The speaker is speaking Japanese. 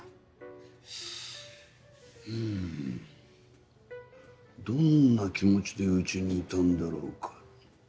うんどんな気持ちで家にいたんだろうか。